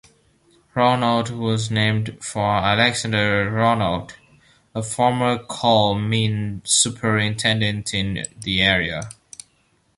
Ronald was named for Alexander Ronald, a former coal mine superintendent in the area.